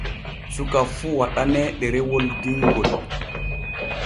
Suka fun waɗaane ɗerewol dingol.